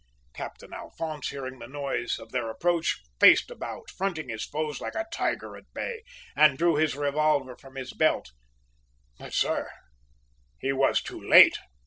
"Captain Alphonse, hearing the noise of their approach, faced about, fronting his foes like a tiger at bay, and drew his revolver from his belt. "But, sir, he was too late!